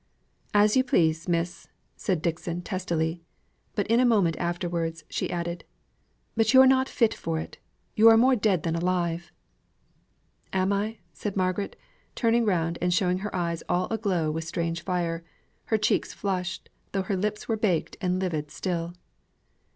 "As you please, miss!" said Dixon, testily; but in a moment afterwards, she added, "But you're not fit for it. You are more dead than alive." "Am I?" said Margaret, turning round and showing her eyes all aglow with strange fire, her cheeks flushed, though her lips were baked and livid still.